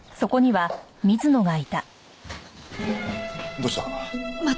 どうした？